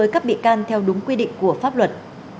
với các bị can theo đúng quy định của pháp luật